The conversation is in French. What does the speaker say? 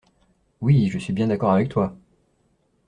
Oui, je suis bien d'accord avec toi.